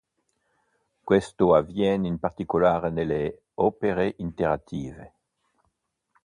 Questo avviene in particolare nelle opere interattive.